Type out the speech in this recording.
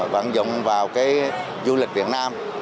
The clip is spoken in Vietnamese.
văn dụng vào du lịch việt nam